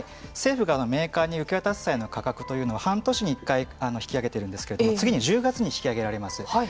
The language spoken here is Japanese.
政府がメーカーに受け渡す際の価格は半年に１回引き上げているんですけど次に１０月に引き上げられます。